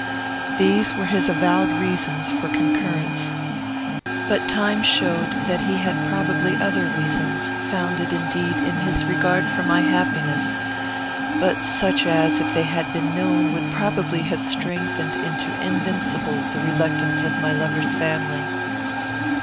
These were his avowed reasons for concurrence, but time showed that he had probably other reasons, founded, indeed, in his regard for my happiness, but such as, if they had been known, would probably have strengthened into invincible the reluctance of my lover's family.